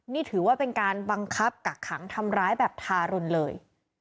นี่ถือว่าเป็นการบังคับกักขังทำร้ายแบบทารุณเลย